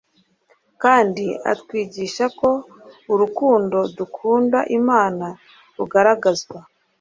kandi atwigisha ko urukundo dukunda Imana rugaragazwa